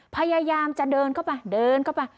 พยายามจะเดินเข้าไปเดินเข้าไป